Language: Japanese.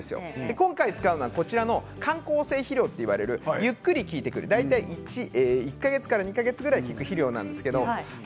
今回、使うのは緩効性肥料といわれるゆっくり効いてくる大体１か月から２か月ぐらいで効く肥料なんですけれど。